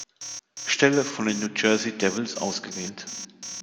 Stelle von den New Jersey Devils ausgewählt.